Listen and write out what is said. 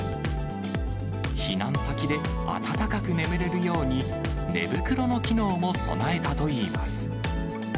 避難先で暖かく眠れるように、寝袋の機能も備えたといいます。